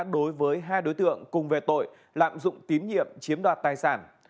đối với hai đối tượng cùng về tội lạm dụng tín nhiệm chiếm đoạt tài sản